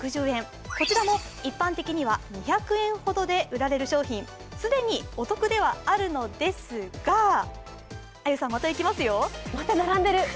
こちらも一般的には２００円ほどで売られる商品既にお得ではあるのですがあゆさんまたいきますよ。